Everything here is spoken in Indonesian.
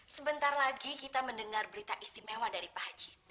sebentar lagi kita mendengar berita istimewa dari pak haji